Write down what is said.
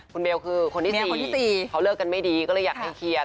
คุณเบลคือคนที่๔คนที่๔เขาเลิกกันไม่ดีก็เลยอยากให้เคลียร์